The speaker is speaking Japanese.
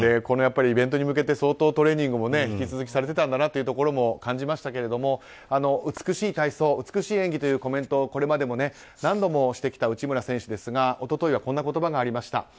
このイベントに向けて相当トレーニングも引き続きされてたんだなと感じましたけど美しい体操美しい演技というコメントをこれまでも何度もしてきた内村選手ですが一昨日はこんな言葉がありました。